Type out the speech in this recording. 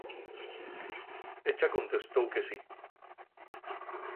Eḷḷa contestóu que sí.